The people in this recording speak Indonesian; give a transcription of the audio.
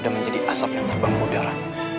menjadi asap yang terbang ke udara